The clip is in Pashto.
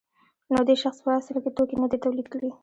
نو دې شخص په اصل کې توکي نه دي تولید کړي